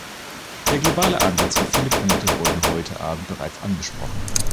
Der globale Ansatz und viele Punkte wurden heute Abend bereits angesprochen.